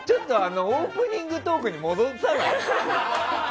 オープニングトークに戻さない？